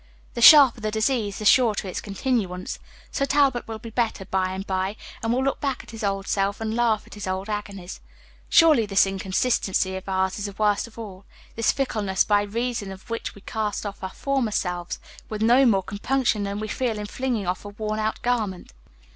The sharper the disease, the shorter its continuance; so Talbot will be better by and by, and will look back at his old self, and laugh at his old agonies. Surely this inconstancy of ours is the worst of all this fickleness, by reason of which we cast off our former selves with no more compunction than we feel in flinging off a worn out garment.